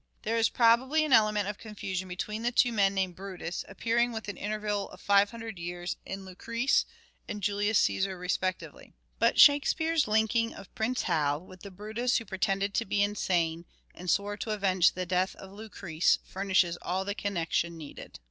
There is probably an element of confusion between the two men named "Brutus," appearing with an inteival of five hundred years in " Lucrece " and " Julius Caesar " respectively. But Shakespeare's linking of Prince Hal with the Biutus who pretended to be insane and swore to avenge the death of Lucrece furnishes all the connection needed.